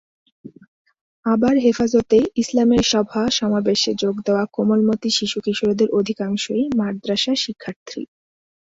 আবার হেফাজতে ইসলামের সভা সমাবেশে যোগ দেওয়া কোমলমতি শিশু কিশোরদের অধিকাংশই মাদ্রাসাশিক্ষার্থী।